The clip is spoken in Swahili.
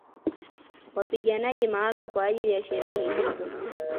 Wapiganaji maalumu kwa ajili ya sherehe hizo